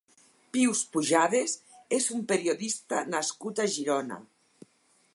Pius Pujades és un periodista nascut a Girona.